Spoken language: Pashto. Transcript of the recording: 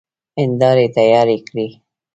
هيندارې تيارې کړئ!